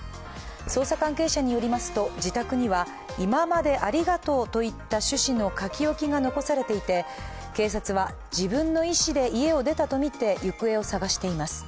捜査関係者によりますと、自宅には今までありがとうといった趣旨の書き置きが残されていて、警察は自分の意思で家を出たとみて行方を捜しています。